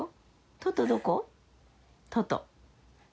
トト！